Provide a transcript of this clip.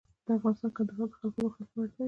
افغانستان کې کندهار د خلکو د خوښې وړ ځای دی.